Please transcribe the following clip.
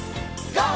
ＧＯ！